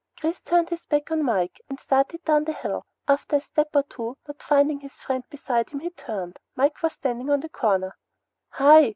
Chris turned his back on Mike and started down the hill. After a step or two, not finding his friend beside him, he turned. Mike was standing on the corner. "Hi!"